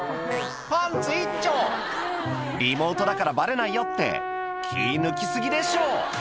リモートだからバレないよって気抜き過ぎでしょ